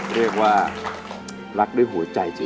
เรียกว่ารักด้วยหัวใจจริง